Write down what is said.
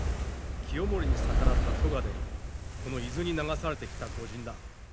清盛に逆らった咎でこの伊豆に流されてきた御仁だ。